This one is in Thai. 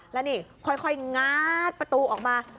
แล้วนี่ค่อยงัดประตูออกมา